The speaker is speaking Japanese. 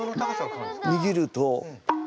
握ると。